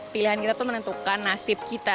pilihan kita itu menentukan nasib kita